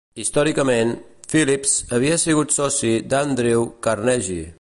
Històricament, Phipps havia sigut soci d'Andrew Carnegie.